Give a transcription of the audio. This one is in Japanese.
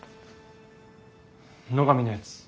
野上のやつ